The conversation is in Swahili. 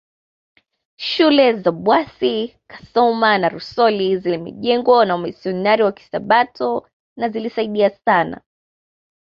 Shule za Bwasi Kasoma na Rusoli zimejengwa na wamisionari wa Kisabato na zilisaidia sana